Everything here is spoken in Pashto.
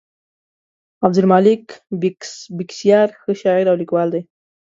عبدالمالک بېکسیار ښه شاعر او لیکوال دی.